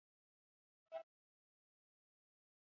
Kulomba siyo kosa kosa ni kuiba